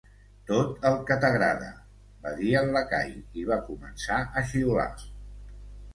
'Tot el que t'agrada', va dir el lacai, i va començar a xiular.